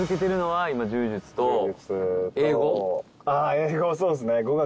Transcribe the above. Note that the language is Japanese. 英語そうっすね。